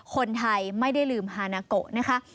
คนไทยไม่ได้ลืมฮานาโกะนะคะ